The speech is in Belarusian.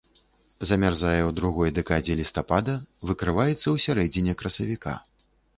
Замярзае ў другой дэкадзе лістапада, выкрываецца ў сярэдзіне красавіка.